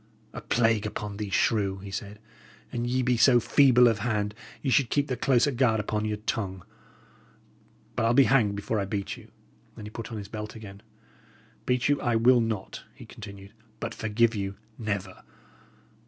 "A plague upon thee, shrew!" he said. "An ye be so feeble of hand, ye should keep the closer guard upon your tongue. But I'll be hanged before I beat you!" and he put on his belt again. "Beat you I will not," he continued; "but forgive you? never.